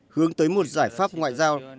hướng tới một giải pháp ngoại giao